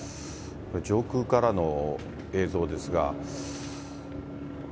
上空からの映像ですが。